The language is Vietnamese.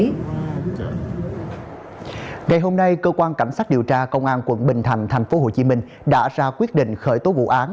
ngày hôm nay cơ quan cảnh sát điều tra công an quận bình thành tp hcm đã ra quyết định khởi tố vụ án